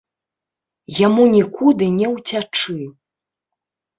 Яму нікуды не ўцячы.